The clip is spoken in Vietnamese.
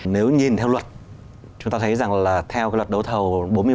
nếu nhìn theo luật chúng ta thấy rằng là theo luật đấu thầu